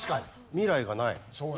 未来がない。